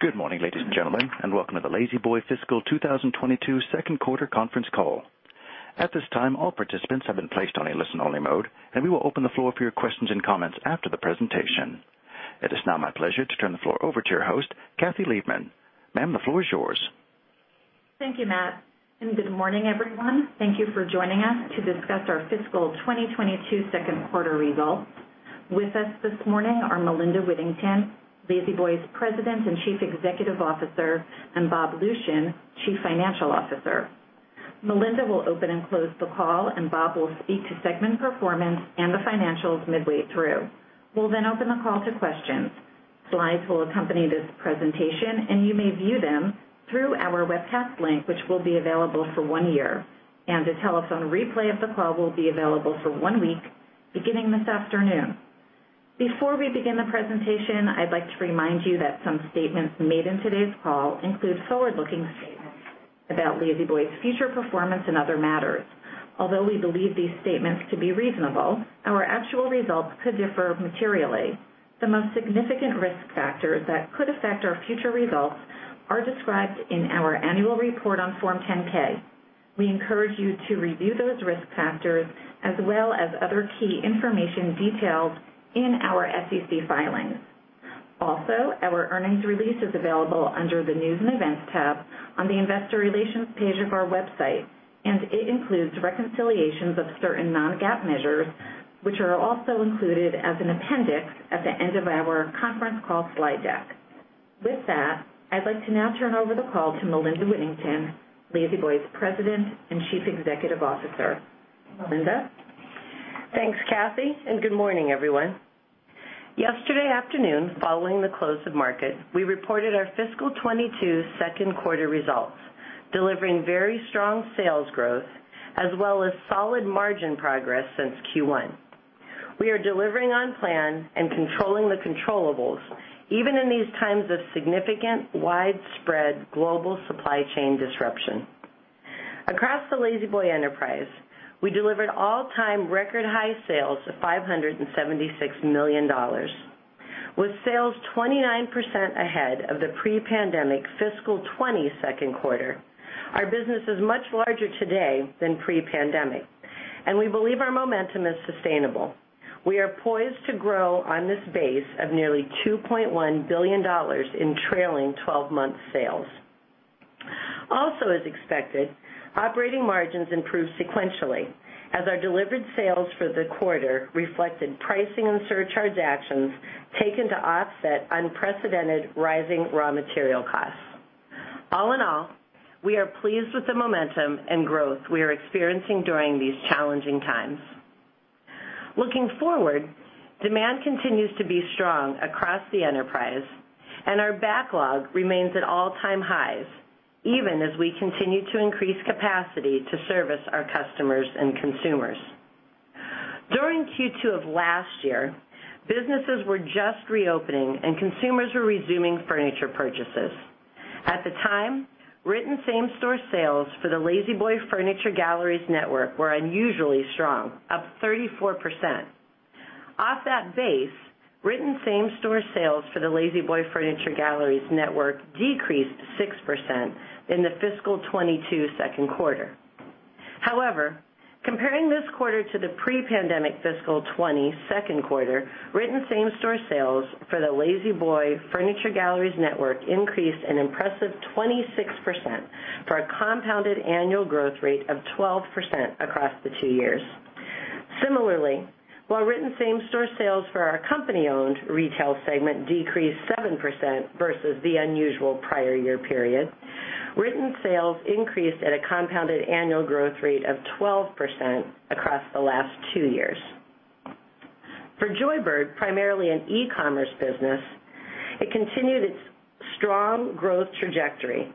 Good morning, ladies and gentlemen, and welcome to the La-Z-Boy fiscal 2022 second quarter conference call. At this time, all participants have been placed on a listen-only mode, and we will open the floor for your questions and comments after the presentation. It is now my pleasure to turn the floor over to your host, Kathy Liebmann. Ma'am, the floor is yours. Thank you, Matt, and good morning, everyone. Thank you for joining us to discuss our fiscal 2022 second quarter results. With us this morning are Melinda Whittington, La-Z-Boy's President and Chief Executive Officer, and Bob Lucian, Chief Financial Officer. Melinda will open and close the call, and Bob will speak to segment performance and the financials midway through. We'll then open the call to questions. Slides will accompany this presentation, and you may view them through our webcast link, which will be available for one year. The telephone replay of the call will be available for one week beginning this afternoon. Before we begin the presentation, I'd like to remind you that some statements made in today's call include forward-looking statements about La-Z-Boy's future performance and other matters. Although we believe these statements to be reasonable, our actual results could differ materially. The most significant risk factors that could affect our future results are described in our annual report on Form 10-K. We encourage you to review those risk factors as well as other key information detailed in our SEC filings. Also, our earnings release is available under the News & Events tab on the Investor Relations page of our website, and it includes reconciliations of certain non-GAAP measures, which are also included as an appendix at the end of our conference call slide deck. With that, I'd like to now turn over the call to Melinda Whittington, La-Z-Boy's President and Chief Executive Officer. Melinda? Thanks, Kathy, and good morning, everyone. Yesterday afternoon, following the close of market, we reported our fiscal 2022 second quarter results, delivering very strong sales growth as well as solid margin progress since Q1. We are delivering on plan and controlling the controllables, even in these times of significant widespread global supply chain disruption. Across the La-Z-Boy enterprise, we delivered all-time record high sales of $576 million. With sales 29% ahead of the pre-pandemic fiscal 2020 second quarter, our business is much larger today than pre-pandemic, and we believe our momentum is sustainable. We are poised to grow on this base of nearly $2.1 billion in trailing twelve-month sales. Also as expected, operating margins improved sequentially as our delivered sales for the quarter reflected pricing and surcharge actions taken to offset unprecedented rising raw material costs. All in all, we are pleased with the momentum and growth we are experiencing during these challenging times. Looking forward, demand continues to be strong across the enterprise and our backlog remains at all-time highs, even as we continue to increase capacity to service our customers and consumers. During Q2 of last year, businesses were just reopening and consumers were resuming furniture purchases. At the time, written same-store sales for the La-Z-Boy Furniture Galleries network were unusually strong, up 34%. Off that base, written same-store sales for the La-Z-Boy Furniture Galleries network decreased 6% in the fiscal 2022 second quarter. However, comparing this quarter to the pre-pandemic fiscal 2020 second quarter, written same-store sales for the La-Z-Boy Furniture Galleries network increased an impressive 26% for a compounded annual growth rate of 12% across the two years. Similarly, while written same-store sales for our company-owned retail segment decreased 7% versus the unusual prior year period, written sales increased at a compounded annual growth rate of 12% across the last two years. For Joybird, primarily an e-commerce business, it continued its strong growth trajectory,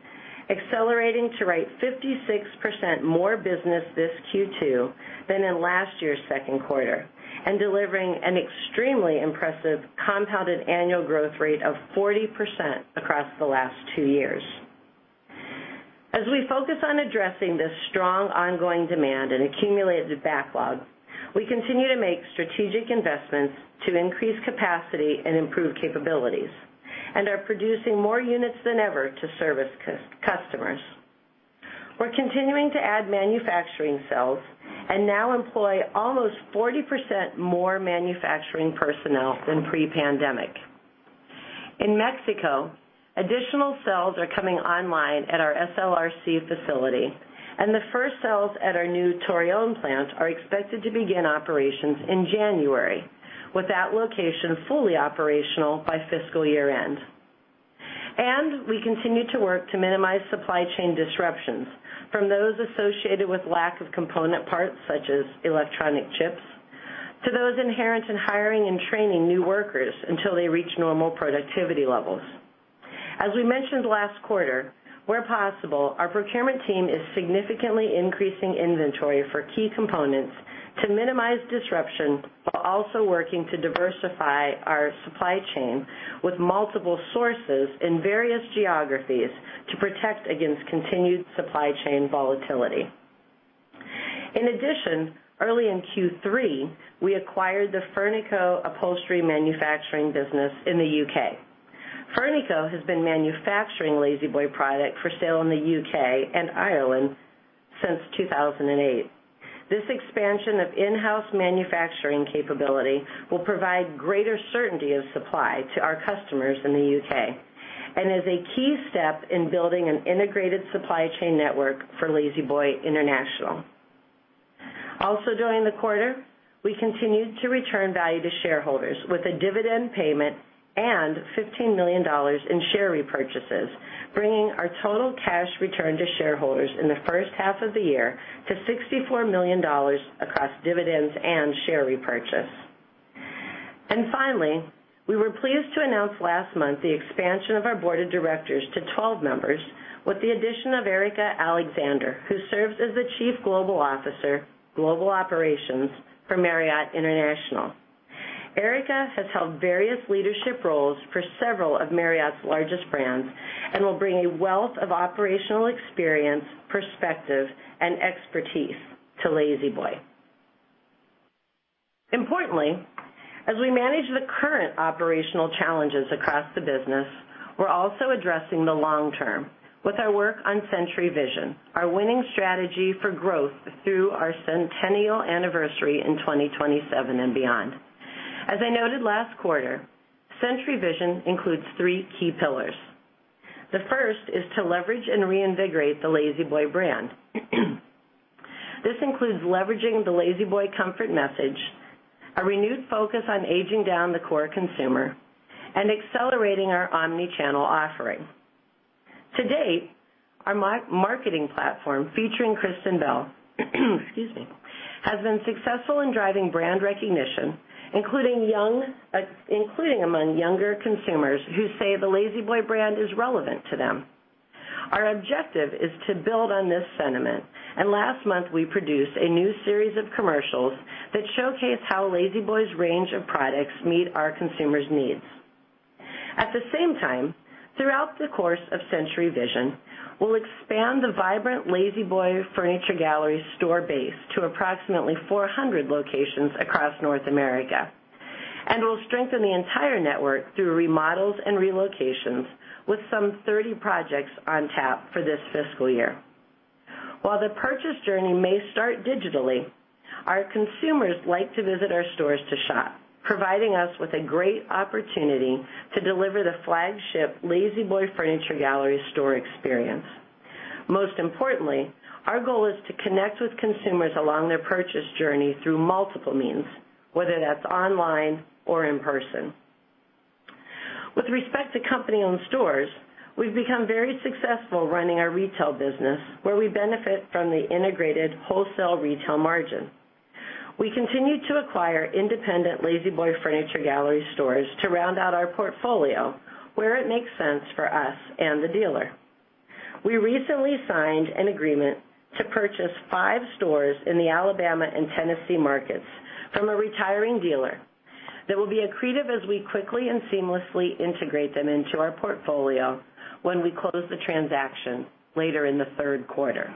accelerating to write 56% more business this Q2 than in last year's second quarter, and delivering an extremely impressive compounded annual growth rate of 40% across the last two years. As we focus on addressing this strong ongoing demand and accumulated backlog, we continue to make strategic investments to increase capacity and improve capabilities and are producing more units than ever to service customers. We're continuing to add manufacturing cells and now employ almost 40% more manufacturing personnel than pre-pandemic. In Mexico, additional cells are coming online at our SLRC facility, and the first cells at our new Torreon plant are expected to begin operations in January, with that location fully operational by fiscal year-end. We continue to work to minimize supply chain disruptions from those associated with lack of component parts, such as electronic chips, to those inherent in hiring and training new workers until they reach normal productivity levels. As we mentioned last quarter, where possible, our procurement team is significantly increasing inventory for key components to minimize disruption while also working to diversify our supply chain with multiple sources in various geographies to protect against continued supply chain volatility. In addition, early in Q3, we acquired the Furnico Upholstery manufacturing business in the U.K. Furnico has been manufacturing La-Z-Boy product for sale in the U.K. and Ireland since 2008. This expansion of in-house manufacturing capability will provide greater certainty of supply to our customers in the U.K. and is a key step in building an integrated supply chain network for La-Z-Boy International. Also, during the quarter, we continued to return value to shareholders with a dividend payment and $15 million in share repurchases, bringing our total cash return to shareholders in the first half of the year to $64 million across dividends and share repurchase. Finally, we were pleased to announce last month the expansion of our board of directors to 12 members with the addition of Erika Alexander, who serves as the Chief Global Officer, Global Operations for Marriott International. Erika has held various leadership roles for several of Marriott's largest brands and will bring a wealth of operational experience, perspective, and expertise to La-Z-Boy. Importantly, as we manage the current operational challenges across the business, we're also addressing the long term with our work on Century Vision, our winning strategy for growth through our centennial anniversary in 2027 and beyond. As I noted last quarter, Century Vision includes three key pillars. The first is to leverage and reinvigorate the La-Z-Boy brand. This includes leveraging the La-Z-Boy comfort message, a renewed focus on aging down the core consumer, and accelerating our omni-channel offering. To date, our marketing platform featuring Kristen Bell, excuse me, has been successful in driving brand recognition, including among younger consumers who say the La-Z-Boy brand is relevant to them. Our objective is to build on this sentiment, and last month, we produced a new series of commercials that showcase how La-Z-Boy's range of products meet our consumers' needs. At the same time, throughout the course of Century Vision, we'll expand the vibrant La-Z-Boy Furniture Galleries store base to approximately 400 locations across North America. We'll strengthen the entire network through remodels and relocations with some 30 projects on tap for this fiscal year. While the purchase journey may start digitally, our consumers like to visit our stores to shop, providing us with a great opportunity to deliver the flagship La-Z-Boy Furniture Galleries store experience. Most importantly, our goal is to connect with consumers along their purchase journey through multiple means, whether that's online or in person. With respect to company-owned stores, we've become very successful running our retail business, where we benefit from the integrated wholesale retail margin. We continue to acquire independent La-Z-Boy Furniture Galleries stores to round out our portfolio where it makes sense for us and the dealer. We recently signed an agreement to purchase five stores in the Alabama and Tennessee markets from a retiring dealer that will be accretive as we quickly and seamlessly integrate them into our portfolio when we close the transaction later in the third quarter.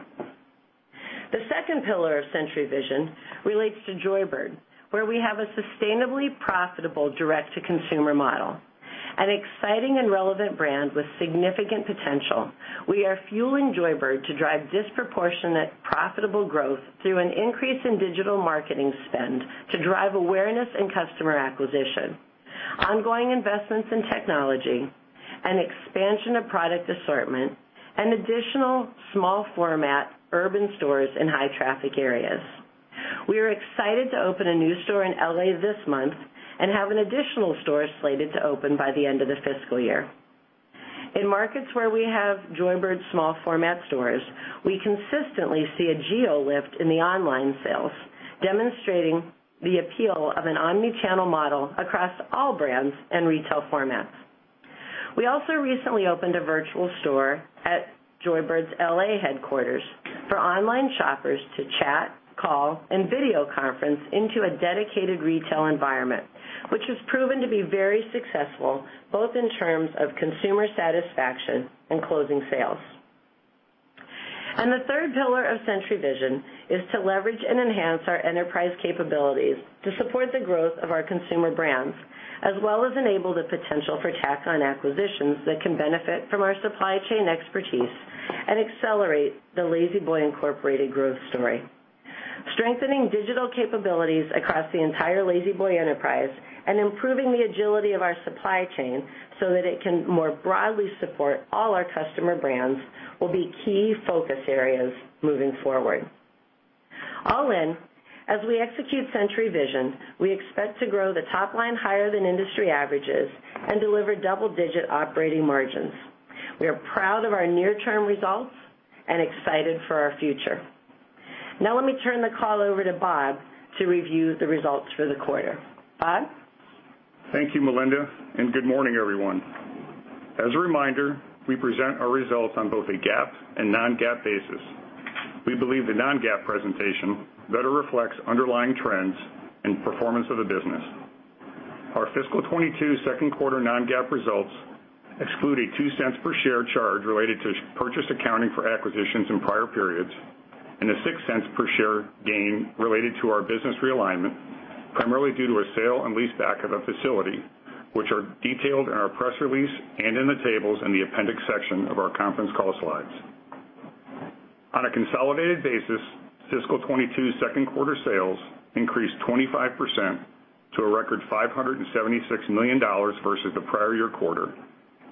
The second pillar of Century Vision relates to Joybird, where we have a sustainably profitable direct-to-consumer model. An exciting and relevant brand with significant potential, we are fueling Joybird to drive disproportionate profitable growth through an increase in digital marketing spend to drive awareness and customer acquisition, ongoing investments in technology, and expansion of product assortment, and additional small format urban stores in high traffic areas. We are excited to open a new store in L.A. this month and have an additional store slated to open by the end of the fiscal year. In markets where we have Joybird small format stores, we consistently see a geo lift in the online sales, demonstrating the appeal of an omni-channel model across all brands and retail formats. We also recently opened a virtual store at Joybird's L.A. headquarters for online shoppers to chat, call, and video conference into a dedicated retail environment, which has proven to be very successful, both in terms of consumer satisfaction and closing sales. The third pillar of Century Vision is to leverage and enhance our enterprise capabilities to support the growth of our consumer brands, as well as enable the potential for tack-on acquisitions that can benefit from our supply chain expertise and accelerate the La-Z-Boy Incorporated growth story. Strengthening digital capabilities across the entire La-Z-Boy enterprise and improving the agility of our supply chain so that it can more broadly support all our customer brands will be key focus areas moving forward. All in, as we execute Century Vision, we expect to grow the top line higher than industry averages and deliver double-digit operating margins. We are proud of our near-term results and excited for our future. Now let me turn the call over to Bob to review the results for the quarter. Bob? Thank you, Melinda, and good morning, everyone. As a reminder, we present our results on both a GAAP and non-GAAP basis. We believe the non-GAAP presentation better reflects underlying trends and performance of the business. Our fiscal 2022 second quarter non-GAAP results exclude a $0.02 per share charge related to purchase accounting for acquisitions in prior periods, and a $0.06 per share gain related to our business realignment, primarily due to a sale and leaseback of a facility, which are detailed in our press release and in the tables in the appendix section of our conference call slides. On a consolidated basis, fiscal 2022 second quarter sales increased 25% to a record $576 million versus the prior year quarter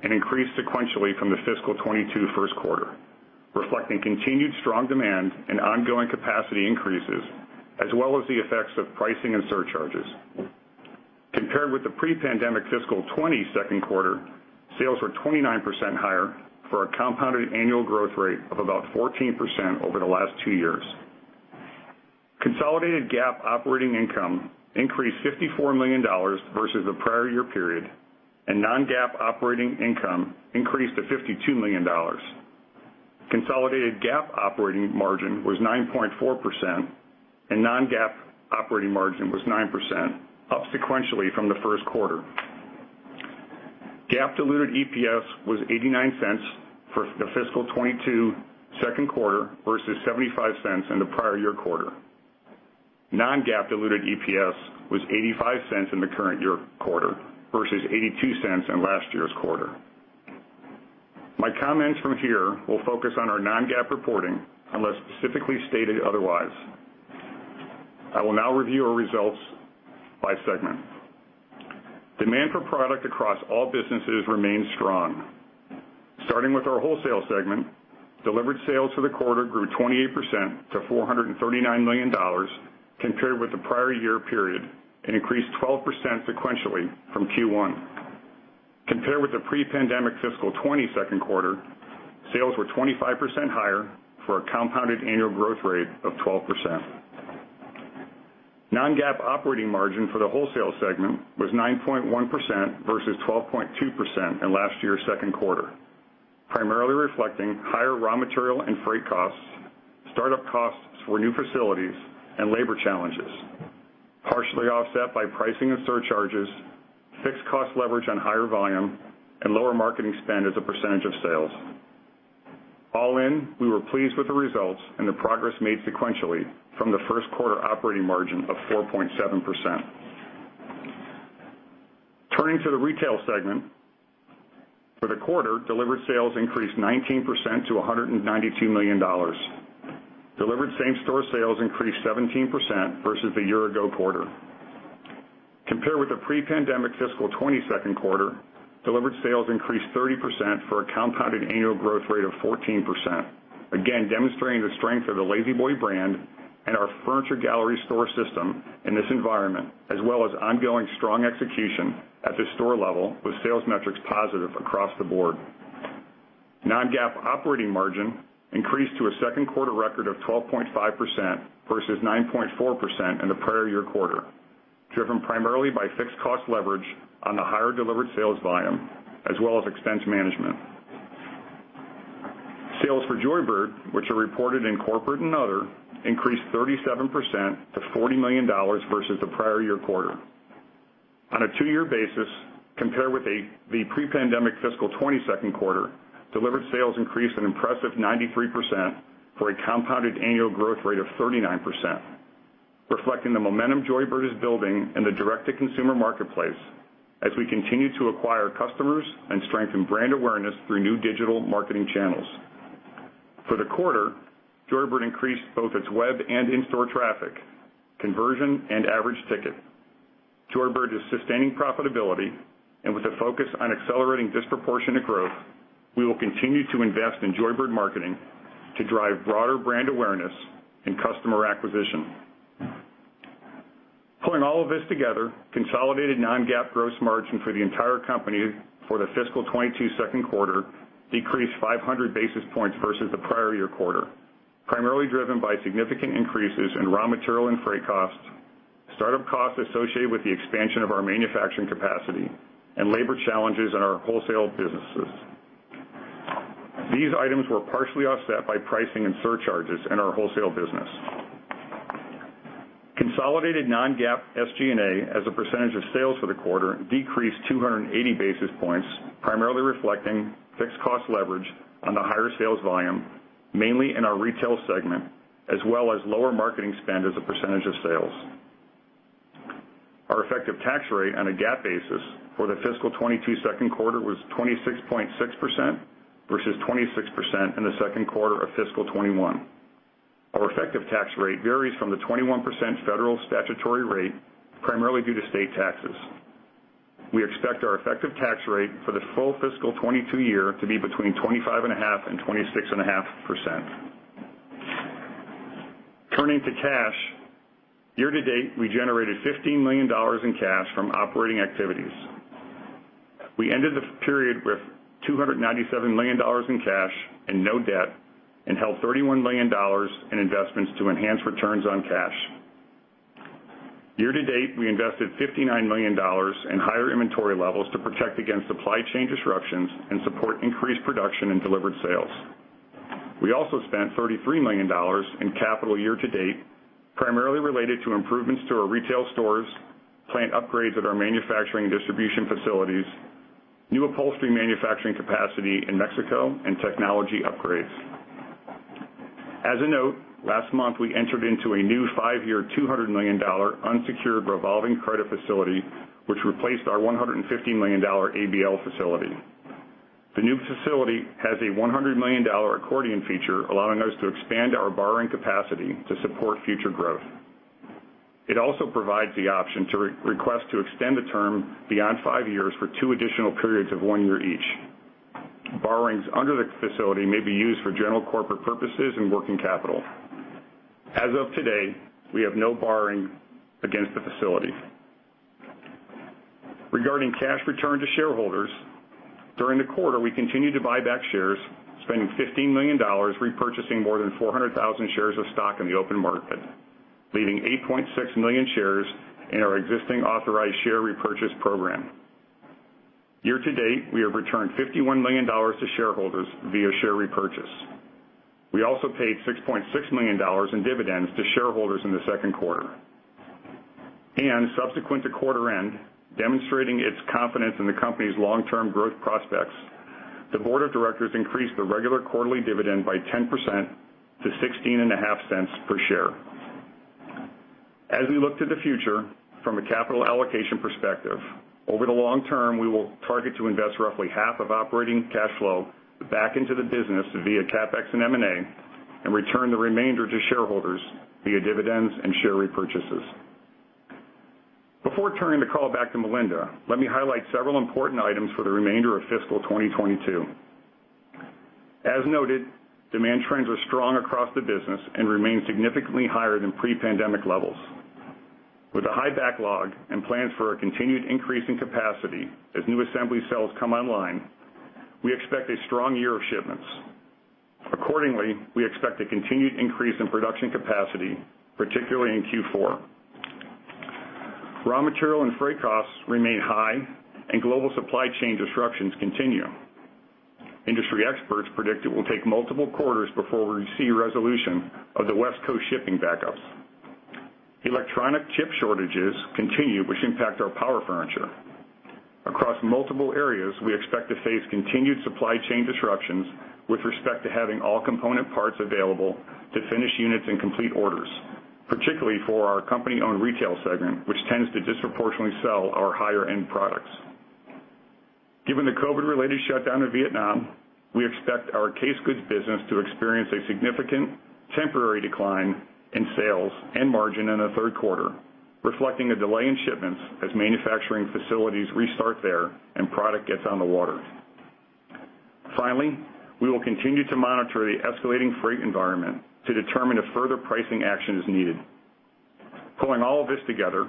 and increased sequentially from the fiscal 2022 first quarter, reflecting continued strong demand and ongoing capacity increases, as well as the effects of pricing and surcharges. Compared with the pre-pandemic fiscal 2020 second quarter, sales were 29% higher for a compounded annual growth rate of about 14% over the last two years. Consolidated GAAP operating income increased $54 million versus the prior year period, and non-GAAP operating income increased to $52 million. Consolidated GAAP operating margin was 9.4% and non-GAAP operating margin was 9%, up sequentially from the first quarter. GAAP diluted EPS was $0.89 for the fiscal 2022 second quarter versus $0.75 in the prior year quarter. non-GAAP diluted EPS was $0.85 in the current year quarter versus $0.82 in last year's quarter. My comments from here will focus on our non-GAAP reporting unless specifically stated otherwise. I will now review our results by segment. Demand for product across all businesses remains strong. Starting with our wholesale segment, delivered sales for the quarter grew 28% to $439 million compared with the prior year period and increased 12% sequentially from Q1. Compared with the pre-pandemic fiscal 2020 second quarter, sales were 25% higher for a compounded annual growth rate of 12%. Non-GAAP operating margin for the wholesale segment was 9.1% versus 12.2% in last year's second quarter, primarily reflecting higher raw material and freight costs, startup costs for new facilities and labor challenges, partially offset by pricing and surcharges, fixed cost leverage on higher volume and lower marketing spend as a percentage of sales. All in, we were pleased with the results and the progress made sequentially from the first quarter operating margin of 4.7%. Turning to the retail segment. For the quarter, delivered sales increased 19% to $192 million. Delivered same-store sales increased 17% versus the year ago quarter. Compared with the pre-pandemic fiscal 2020 second quarter, delivered sales increased 30% for a compounded annual growth rate of 14%. Again, demonstrating the strength of the La-Z-Boy brand and our Furniture Gallery store system in this environment, as well as ongoing strong execution at the store level with sales metrics positive across the board. Non-GAAP operating margin increased to a second quarter record of 12.5% versus 9.4% in the prior year quarter, driven primarily by fixed cost leverage on the higher delivered sales volume as well as expense management. Sales for Joybird, which are reported in corporate and other, increased 37% to $40 million versus the prior year quarter. On a two-year basis, compared with the pre-pandemic fiscal 2020 second quarter, delivered sales increased an impressive 93% for a compounded annual growth rate of 39%, reflecting the momentum Joybird is building in the direct-to-consumer marketplace as we continue to acquire customers and strengthen brand awareness through new digital marketing channels. For the quarter, Joybird increased both its web and in-store traffic, conversion and average ticket. Joybird is sustaining profitability and with a focus on accelerating disproportionate growth, we will continue to invest in Joybird marketing to drive broader brand awareness and customer acquisition. Pulling all of this together, consolidated non-GAAP gross margin for the entire company for the fiscal 2022 second quarter decreased 500 basis points versus the prior year quarter, primarily driven by significant increases in raw material and freight costs, start-up costs associated with the expansion of our manufacturing capacity and labor challenges in our wholesale businesses. These items were partially offset by pricing and surcharges in our wholesale business. Consolidated non-GAAP SG&A as a percentage of sales for the quarter decreased 280 basis points, primarily reflecting fixed cost leverage on the higher sales volume, mainly in our retail segment, as well as lower marketing spend as a percentage of sales. Our effective tax rate on a GAAP basis for the fiscal 2022 second quarter was 26.6% versus 26% in the second quarter of fiscal 2021. Our effective tax rate varies from the 21% federal statutory rate, primarily due to state taxes. We expect our effective tax rate for the full fiscal 2022 year to be between 25.5% and 26.5%. Turning to cash. Year-to-date, we generated $15 million in cash from operating activities. We ended the period with $297 million in cash and no debt and held $31 million in investments to enhance returns on cash. Year-to-date, we invested $59 million in higher inventory levels to protect against supply chain disruptions and support increased production and delivered sales. We also spent $33 million in capital year-to-date, primarily related to improvements to our retail stores, plant upgrades at our manufacturing distribution facilities, new upholstery manufacturing capacity in Mexico, and technology upgrades. As a note, last month, we entered into a new five-year, $200 million unsecured revolving credit facility, which replaced our $150 million ABL facility. The new facility has a $100 million accordion feature, allowing us to expand our borrowing capacity to support future growth. It also provides the option to re-request to extend the term beyond five years for two additional periods of one year each. Borrowings under the facility may be used for general corporate purposes and working capital. As of today, we have no borrowing against the facility. Regarding cash return to shareholders, during the quarter, we continued to buy back shares, spending $15 million repurchasing more than 400,000 shares of stock in the open market, leaving 8.6 million shares in our existing authorized share repurchase program. Year-to-date, we have returned $51 million to shareholders via share repurchase. We also paid $6.6 million in dividends to shareholders in the second quarter. Subsequent to quarter end, demonstrating its confidence in the company's long-term growth prospects, the board of directors increased the regular quarterly dividend by 10% to $0.165 per share. As we look to the future from a capital allocation perspective, over the long term, we will target to invest roughly half of operating cash flow back into the business via CapEx and M&A and return the remainder to shareholders via dividends and share repurchases. Before turning the call back to Melinda, let me highlight several important items for the remainder of fiscal 2022. As noted, demand trends are strong across the business and remain significantly higher than pre-pandemic levels. With a high backlog and plans for a continued increase in capacity as new assembly sales come online, we expect a strong year of shipments. Accordingly, we expect a continued increase in production capacity, particularly in Q4. Raw material and freight costs remain high and global supply chain disruptions continue. Industry experts predict it will take multiple quarters before we see resolution of the West Coast shipping backups. Electronic chip shortages continue, which impact our power furniture. Across multiple areas, we expect to face continued supply chain disruptions with respect to having all component parts available to finish units and complete orders, particularly for our company-owned retail segment, which tends to disproportionately sell our higher-end products. Given the COVID-related shutdown of Vietnam, we expect our case goods business to experience a significant temporary decline in sales and margin in the third quarter, reflecting a delay in shipments as manufacturing facilities restart there and product gets on the water. Finally, we will continue to monitor the escalating freight environment to determine if further pricing action is needed. Pulling all of this together,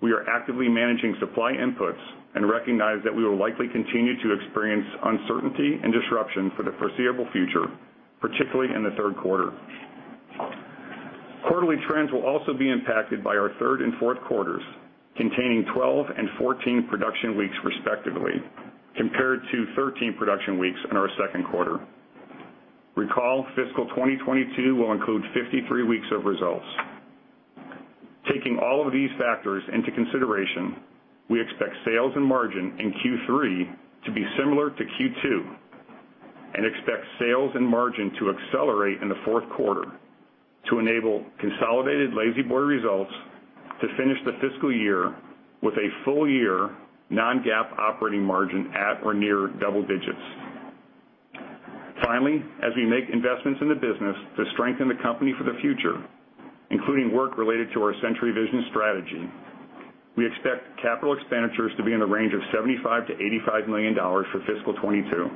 we are actively managing supply inputs and recognize that we will likely continue to experience uncertainty and disruption for the foreseeable future, particularly in the third quarter. Quarterly trends will also be impacted by our third and fourth quarters, containing 12 and 14 production weeks respectively, compared to 13 production weeks in our second quarter. Recall fiscal 2022 will include 53 weeks of results. Taking all of these factors into consideration, we expect sales and margin in Q3 to be similar to Q2 and expect sales and margin to accelerate in the fourth quarter to enable consolidated La-Z-Boy results to finish the fiscal year with a full year non-GAAP operating margin at or near double digits. Finally, as we make investments in the business to strengthen the company for the future, including work related to our Century Vision strategy, we expect capital expenditures to be in the range of $75 million-$85 million for fiscal 2022.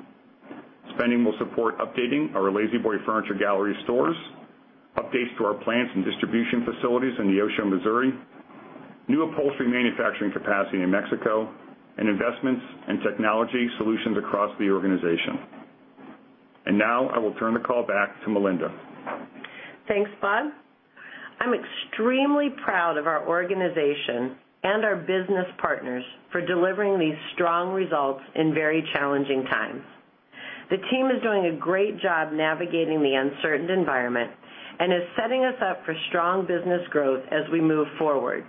Spending will support updating our La-Z-Boy Furniture Galleries stores, updates to our plants and distribution facilities in Neosho, Missouri, new upholstery manufacturing capacity in Mexico, and investments in technology solutions across the organization. Now, I will turn the call back to Melinda. Thanks, Bob. I'm extremely proud of our organization and our business partners for delivering these strong results in very challenging times. The team is doing a great job navigating the uncertain environment and is setting us up for strong business growth as we move forward,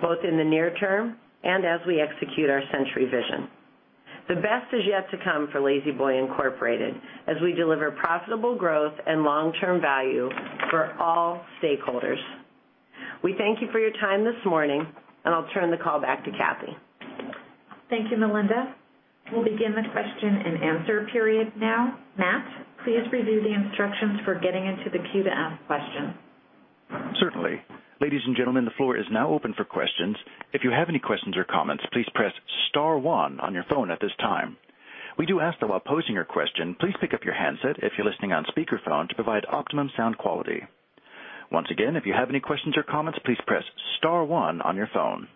both in the near term and as we execute our Century Vision. The best is yet to come for La-Z-Boy Incorporated as we deliver profitable growth and long-term value for all stakeholders. We thank you for your time this morning, and I'll turn the call back to Kathy. Thank you, Melinda. We'll begin the question and answer period now. Matt, please review the instructions for getting into the queue to ask questions. Certainly. Ladies and gentlemen, the floor is now open for questions. If you have any questions or comments, please press star one on your phone at this time. We do ask that while posing your question, please pick up your handset if you're listening on speakerphone to provide optimum sound quality. Once again, if you have any questions or comments, please press star one on your phone.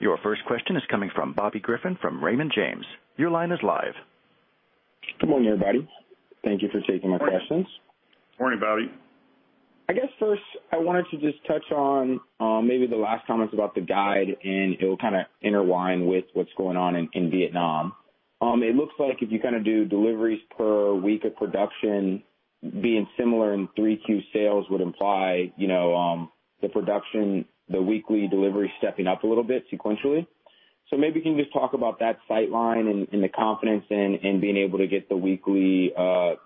Your first question is coming from Bobby Griffin from Raymond James. Your line is live. Good morning, everybody. Thank you for taking our questions. Morning, Bobby. I guess first I wanted to just touch on maybe the last comments about the guide, and it will kinda intertwine with what's going on in Vietnam. It looks like if you kinda do deliveries per week of production being similar in 3Q sales would imply, you know, the production, the weekly delivery stepping up a little bit sequentially. So maybe you can just talk about that line of sight and the confidence in being able to get the weekly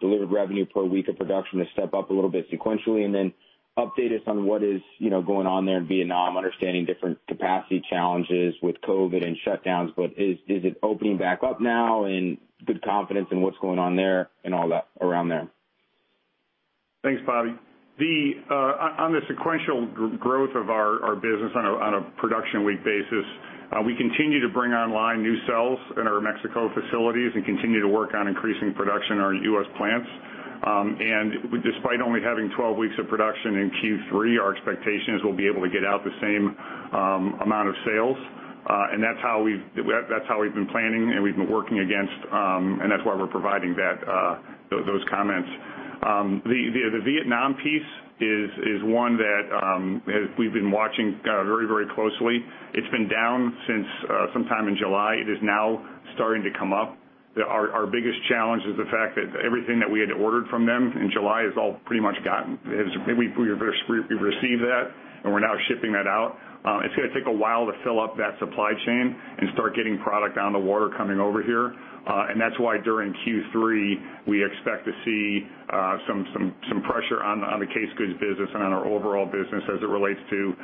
delivered revenue per week of production to step up a little bit sequentially. Then update us on what is, you know, going on there in Vietnam, understanding different capacity challenges with COVID and shutdowns. Is it opening back up now and good confidence in what's going on there and all that around there? Thanks, Bobby. On the sequential growth of our business on a production week basis, we continue to bring online new cells in our Mexico facilities and continue to work on increasing production in our U.S. plants. And we despite only having 12 weeks of production in Q3, our expectation is we'll be able to get out the same amount of sales. That's how we've been planning, and we've been working against, and that's why we're providing those comments. The Vietnam piece is one that we've been watching very closely. It's been down since sometime in July. It is now starting to come up. Our biggest challenge is the fact that everything that we had ordered from them in July is all pretty much got in. We received that, and we're now shipping that out. It's gonna take a while to fill up that supply chain and start getting product on the water coming over here. That's why during Q3, we expect to see some pressure on the case goods business and on our overall business as it relates to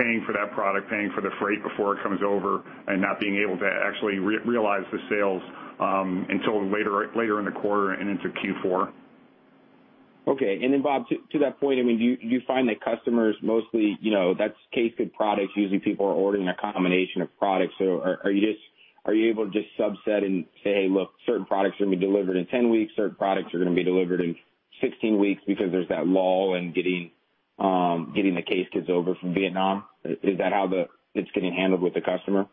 paying for that product, paying for the freight before it comes over, and not being able to actually realize the sales until later in the quarter and into Q4. Okay. Bob, to that point, I mean, do you find that customers mostly, you know, that's case goods products. Usually people are ordering a combination of products. Are you able to just subset and say, "Look, certain products are gonna be delivered in 10 weeks, certain products are gonna be delivered in 16 weeks," because there's that lull in getting the case goods over from Vietnam? Is that how it's getting handled with the customer?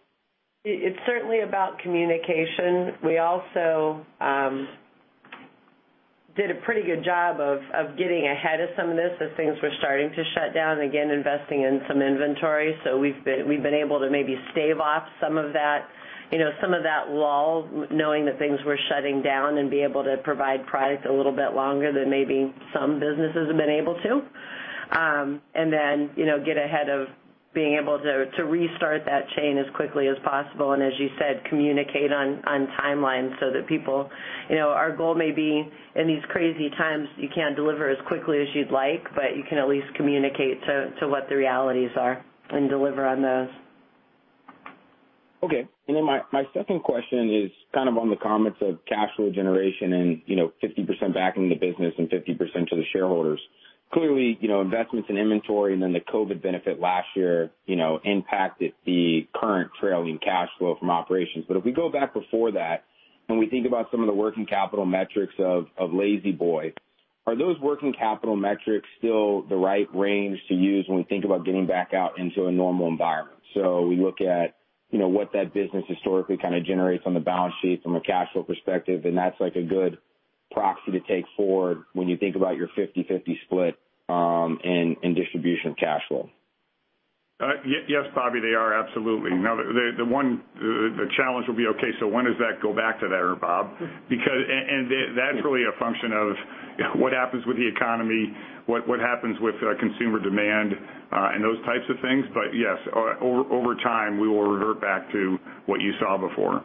It's certainly about communication. We also did a pretty good job of getting ahead of some of this as things were starting to shut down, again investing in some inventory. We've been able to maybe stave off some of that, you know, some of that lull knowing that things were shutting down and be able to provide product a little bit longer than maybe some businesses have been able to. Then, you know, get ahead of being able to restart that chain as quickly as possible, and as you said, communicate on timelines so that people, you know, our goal may be in these crazy times, you can't deliver as quickly as you'd like, but you can at least communicate to what the realities are and deliver on those. Okay. My second question is kind of on the comments of cash flow generation and, you know, 50% backing the business and 50% to the shareholders. Clearly, you know, investments in inventory and then the COVID benefit last year, you know, impacted the current trailing cash flow from operations. If we go back before that, when we think about some of the working capital metrics of La-Z-Boy, are those working capital metrics still the right range to use when we think about getting back out into a normal environment? We look at, you know, what that business historically kinda generates on the balance sheet from a cash flow perspective, and that's like a good proxy to take forward when you think about your 50-50 split in distribution of cash flow. Yes, Bobby, they are absolutely. The challenge will be when does that go back to there, Bob? Because that's really a function of what happens with the economy, what happens with consumer demand, and those types of things. Yes, over time, we will revert back to what you saw before.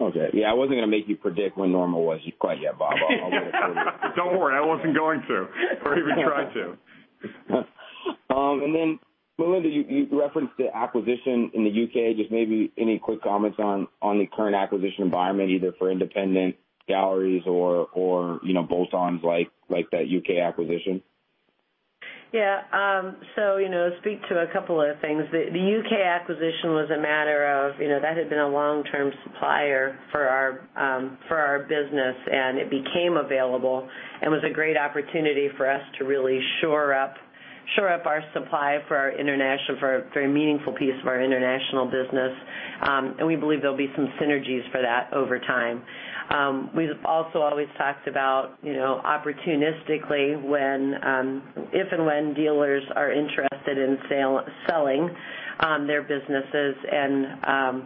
Okay. Yeah, I wasn't gonna make you predict when normal was quite yet, Bob. I'll wait for you. Don't worry. I wasn't going to or even try to. Melinda, you referenced the acquisition in the U.K. Just maybe any quick comments on the current acquisition environment, either for independent galleries or, you know, bolt-ons like that U.K. acquisition? Yeah. You know, speak to a couple of things. The U.K. acquisition was a matter of, you know, that had been a long-term supplier for our business, and it became available and was a great opportunity for us to really shore up our supply for a very meaningful piece of our international business. We believe there'll be some synergies for that over time. We've also always talked about, you know, opportunistically when, if and when dealers are interested in selling their businesses and,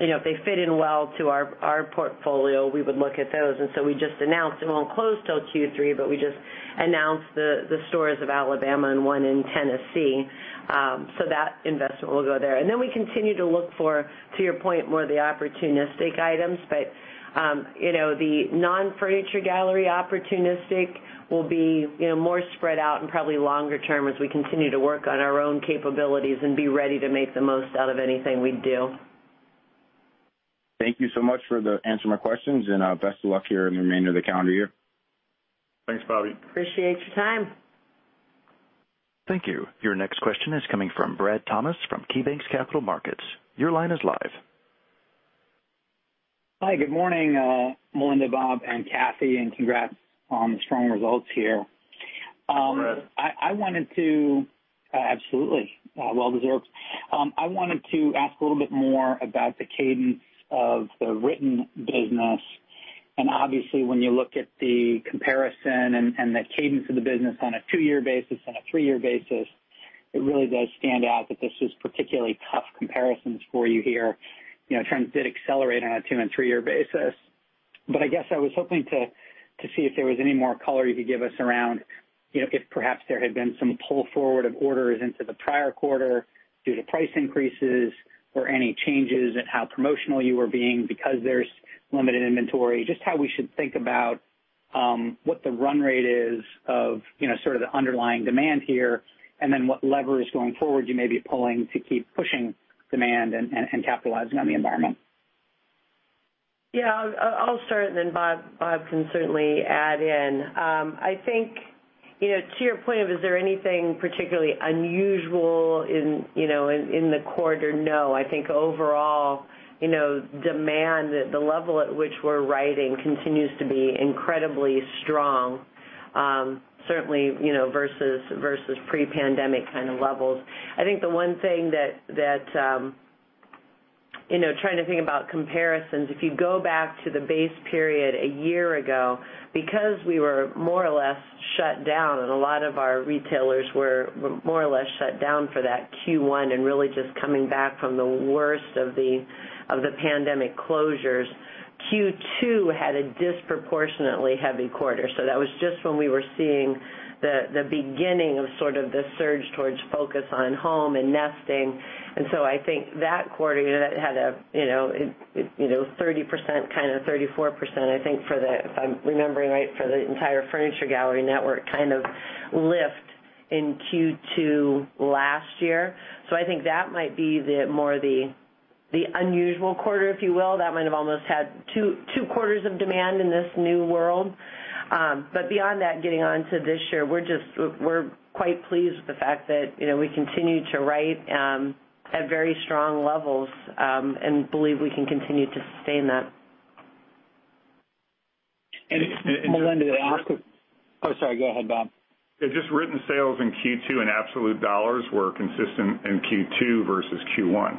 you know, if they fit in well to our portfolio, we would look at those. We just announced, it won't close till Q3, but we just announced the stores in Alabama and one in Tennessee. That investment will go there. We continue to look for, to your point, more of the opportunistic items. But you know, the non-Furniture Gallery opportunistic will be, you know, more spread out and probably longer term as we continue to work on our own capabilities and be ready to make the most out of anything we do. Thank you so much for answering my questions and best of luck here in the remainder of the calendar year. Thanks, Bobby. Appreciate your time. Thank you. Your next question is coming from Brad Thomas from KeyBanc Capital Markets. Your line is live. Hi, good morning, Melinda, Bob, and Kathy, and congrats on the strong results here. Brad. I wanted to ask a little bit more about the cadence of the written business. Obviously, when you look at the comparison and the cadence of the business on a two-year basis and a three-year basis, it really does stand out that this is particularly tough comparisons for you here. You know, trends did accelerate on a two and three-year basis. I guess I was hoping to see if there was any more color you could give us around, you know, if perhaps there had been some pull forward of orders into the prior quarter due to price increases or any changes in how promotional you were being because there's limited inventory. Just how we should think about what the run rate is of, you know, sort of the underlying demand here, and then what levers going forward you may be pulling to keep pushing demand and capitalizing on the environment? Yeah, I'll start and then Bob can certainly add in. I think, you know, to your point of is there anything particularly unusual in the quarter? No. I think overall, you know, demand, the level at which we're writing continues to be incredibly strong, certainly, you know, versus pre-pandemic kind of levels. I think the one thing that you know, trying to think about comparisons, if you go back to the base period a year ago, because we were more or less shut down and a lot of our retailers were more or less shut down for that Q1 and really just coming back from the worst of the pandemic closures, Q2 had a disproportionately heavy quarter. That was just when we were seeing the beginning of sort of the surge towards focus on home and nesting. So I think that quarter, you know, that had, you know, 30% kind of 34%, I think, if I'm remembering right, for the entire Furniture Galleries network kind of lift in Q2 last year. I think that might be the more unusual quarter, if you will. That might have almost had two quarters of demand in this new world. Beyond that, getting on to this year, we're quite pleased with the fact that, you know, we continue to write at very strong levels and believe we can continue to sustain that. And Melinda to ask a- And just- Oh, sorry, go ahead, Bob. Yeah, just written sales in Q2 in absolute dollars were consistent in Q2 versus Q1.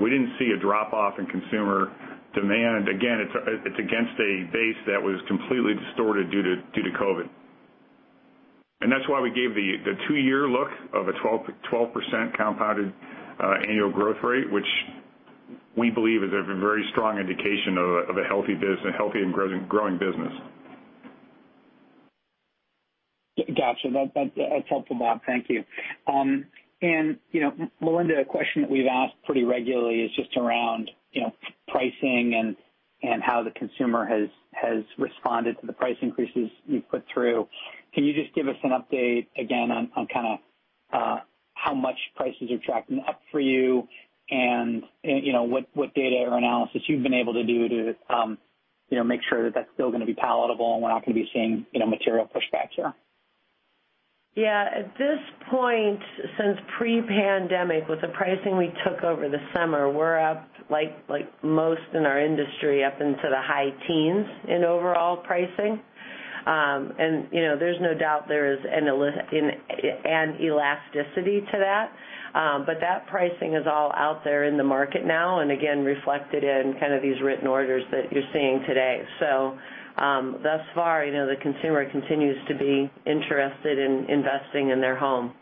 We didn't see a drop-off in consumer demand. Again, it's against a base that was completely distorted due to COVID. That's why we gave the two-year look of a 12% compounded annual growth rate, which we believe is a very strong indication of a healthy and growing business. Gotcha. That's helpful, Bob. Thank you. You know, Melinda, a question that we've asked pretty regularly is just around you know, pricing and how the consumer has responded to the price increases you've put through. Can you just give us an update again on kinda how much prices are tracking up for you and you know, what data or analysis you've been able to do to you know, make sure that that's still gonna be palatable and we're not gonna be seeing you know, material pushback here? Yeah. At this point, since pre-pandemic, with the pricing we took over the summer, we're up like most in our industry, up into the high teens in overall pricing. You know, there's no doubt there is an elasticity to that, but that pricing is all out there in the market now and again reflected in kind of these written orders that you're seeing today. Thus far, you know, the consumer continues to be interested in investing in their home.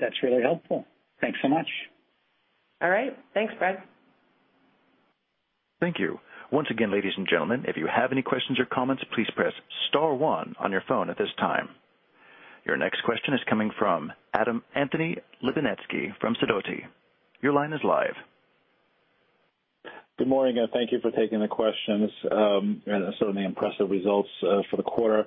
That's really helpful. Thanks so much. All right. Thanks, Brad. Thank you. Once again, ladies and gentlemen, if you have any questions or comments, please press star one on your phone at this time. Your next question is coming from Anthony Lebiedzinski from Sidoti. Your line is live. Good morning, and thank you for taking the questions, and certainly impressive results for the quarter.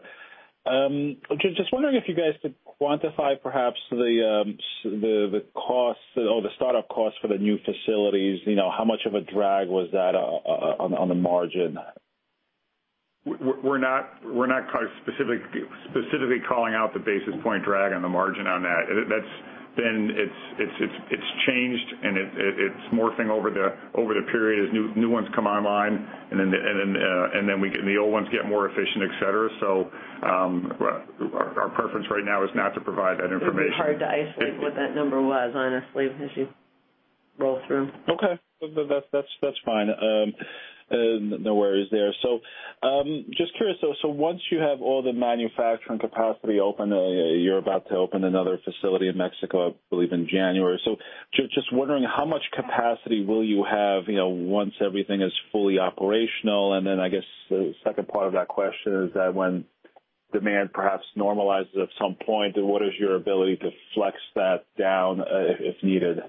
Just wondering if you guys could quantify perhaps the costs or the start-up costs for the new facilities. You know, how much of a drag was that on the margin? We're not specifically calling out the basis point drag on the margin on that. That's been. It's changed and it's morphing over the period as new ones come online and then we get and the old ones get more efficient, et cetera. Our preference right now is not to provide that information. It would be hard to isolate what that number was, honestly, as you roll through. Okay. That's fine. No worries there. Just curious though, once you have all the manufacturing capacity open, you're about to open another facility in Mexico, I believe, in January. Just wondering how much capacity will you have, you know, once everything is fully operational? And then I guess the second part of that question is that when demand perhaps normalizes at some point, what is your ability to flex that down, if needed?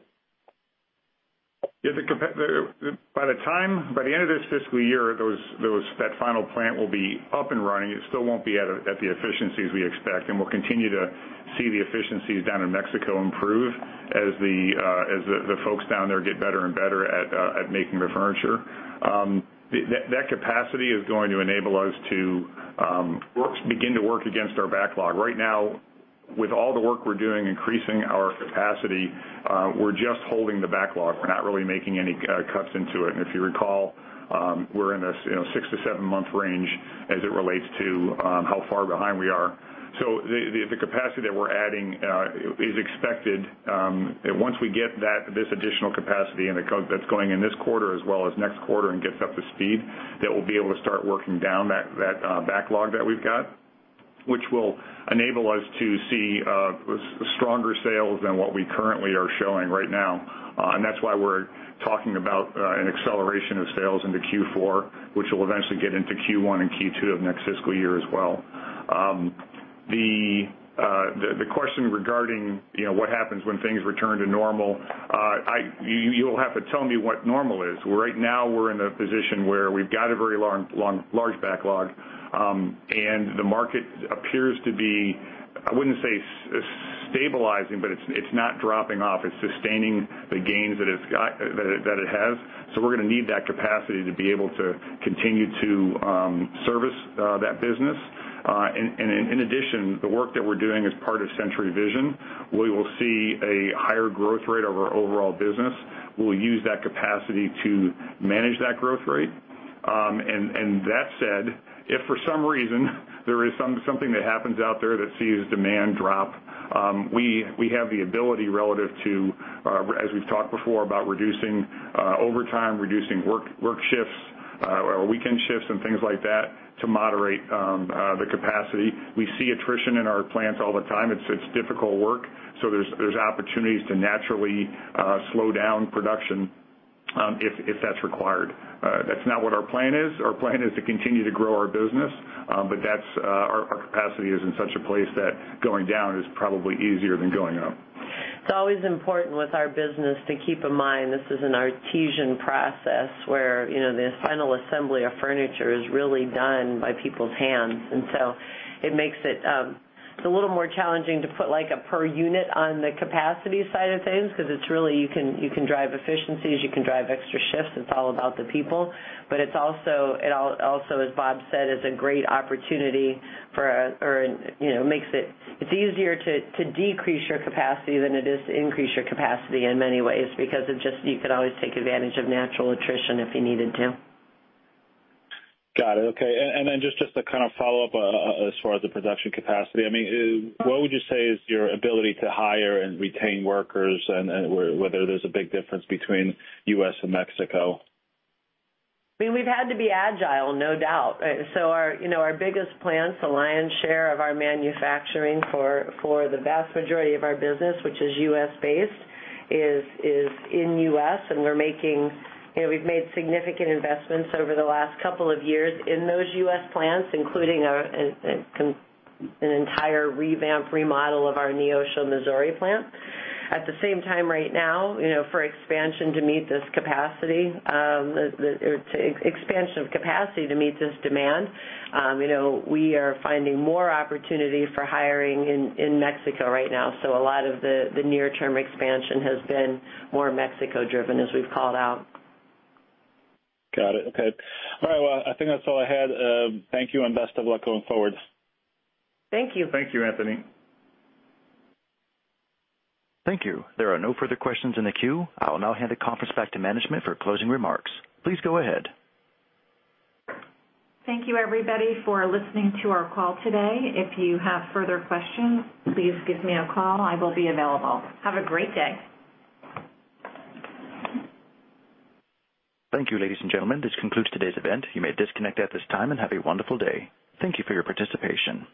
By the end of this fiscal year, that final plant will be up and running. It still won't be at the efficiencies we expect, and we'll continue to see the efficiencies down in Mexico improve as the folks down there get better and better at making the furniture. That capacity is going to enable us to begin to work against our backlog. Right now, with all the work we're doing increasing our capacity, we're just holding the backlog. We're not really making any cuts into it. If you recall, we're in this, you know, six to seven month range as it relates to how far behind we are. The capacity that we're adding is expected, once we get this additional capacity and that's going in this quarter as well as next quarter and gets up to speed, that we'll be able to start working down that backlog that we've got. Which will enable us to see stronger sales than what we currently are showing right now. That's why we're talking about an acceleration of sales into Q4, which will eventually get into Q1 and Q2 of next fiscal year as well. The question regarding, you know, what happens when things return to normal, you'll have to tell me what normal is. Right now, we're in a position where we've got a very large backlog, and the market appears to be, I wouldn't say stabilizing, but it's not dropping off. It's sustaining the gains that it has. We're gonna need that capacity to be able to continue to service that business. In addition, the work that we're doing as part of Century Vision, we will see a higher growth rate of our overall business. We'll use that capacity to manage that growth rate. And that said, if for some reason there is something that happens out there that sees demand drop, we have the ability relative to, as we've talked before, about reducing overtime, reducing work shifts, or weekend shifts and things like that to moderate the capacity. We see attrition in our plants all the time. It's difficult work, so there's opportunities to naturally slow down production, if that's required. That's not what our plan is. Our plan is to continue to grow our business, but our capacity is in such a place that going down is probably easier than going up. It's always important with our business to keep in mind this is an artisan process where, you know, the final assembly of furniture is really done by people's hands. It makes it's a little more challenging to put, like, a per unit on the capacity side of things because it's really, you can drive efficiencies, you can drive extra shifts. It's all about the people. But it's also, as Bob said, is a great opportunity, or you know, makes it easier to decrease your capacity than it is to increase your capacity in many ways, because it's just, you could always take advantage of natural attrition if you needed to. Got it. Okay. Then just to kind of follow up as far as the production capacity, I mean, what would you say is your ability to hire and retain workers and whether there's a big difference between U.S. and Mexico? I mean, we've had to be agile, no doubt. So our biggest plant, the lion's share of our manufacturing for the vast majority of our business, which is U.S.-based, is in the U.S. We're making, you know, we've made significant investments over the last couple of years in those U.S. plants, including an entire revamp remodel of our Neosho, Missouri plant. At the same time, right now, you know, for expansion to meet this capacity or expansion of capacity to meet this demand, you know, we are finding more opportunity for hiring in Mexico right now. So a lot of the near term expansion has been more Mexico-driven, as we've called out. Got it. Okay. All right, well, I think that's all I had. Thank you, and best of luck going forward. Thank you. Thank you, Anthony. Thank you. There are no further questions in the queue. I will now hand the conference back to management for closing remarks. Please go ahead. Thank you, everybody, for listening to our call today. If you have further questions, please give me a call. I will be available. Have a great day. Thank you, ladies and gentlemen. This concludes today's event. You may disconnect at this time, and have a wonderful day. Thank you for your participation.